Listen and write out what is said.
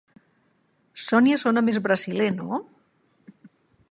Sonia sona més brasiler, no?